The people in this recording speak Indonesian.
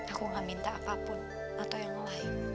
aku gak minta apapun atau yang lain